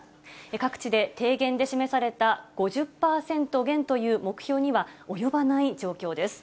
各地で提言で示された５０％減という目標には及ばない状況です。